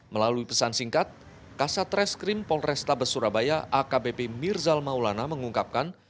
melalui pesan singkat kasat reskrim polrestabes surabaya akbp mirzal maulana mengungkapkan